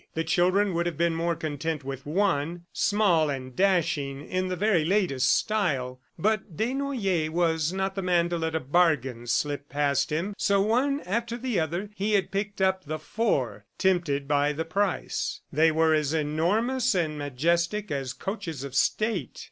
The children would have been more content with one small and dashing, in the very latest style. But Desnoyers was not the man to let a bargain slip past him, so one after the other, he had picked up the four, tempted by the price. They were as enormous and majestic as coaches of state.